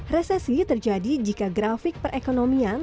resesi terjadi jika grafik perekonomian